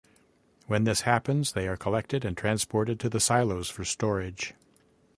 When this happens, they are collected and transported to the silos for storage.